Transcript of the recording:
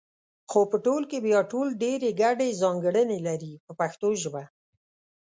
خو په ټول کې بیا ټول ډېرې ګډې ځانګړنې لري په پښتو ژبه.